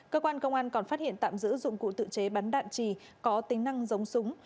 cơ quan công an còn phát hiện tạm giữ dụng cụ tự chế bắn đạn trì có tính năng giống súng